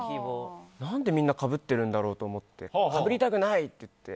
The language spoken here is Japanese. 何で、みんなかぶってるんだろうと思ってかぶりたくない！って言って。